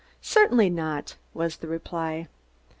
"Certainly not," was the reply.